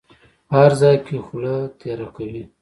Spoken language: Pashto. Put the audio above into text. په هر ځای کې خوله تېره کوي.